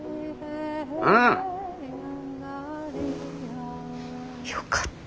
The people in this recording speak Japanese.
うん。よかった。